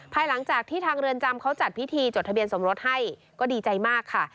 ภายหลังจากที่ทางเรือนจำเขาจัดพิธีจดทะเบียนสมรสให้ก็ดีใจมากค่ะ